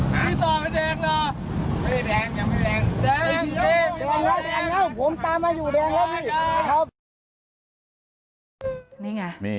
กลับครั้งผมตามมาอยู่แดงแล้วพี่